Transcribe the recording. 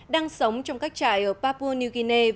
đang sống trong các trại ở papua new guinea